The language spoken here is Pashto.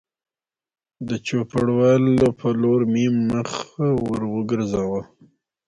د چوپړوال په لور مې مخ ور وګرځاوه